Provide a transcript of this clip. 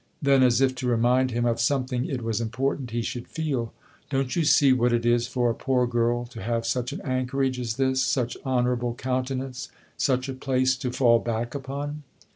Then as if to remind him of something it was important he should feel :" Don't you see what it is for a poor girl to have such an anchorage as this such honourable countenance, such a place to fall back upon